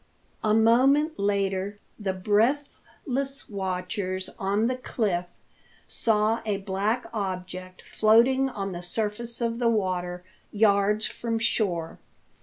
A moment later the breathless watchers on the cliff saw a black object floating on the surface of the water, yards from shore.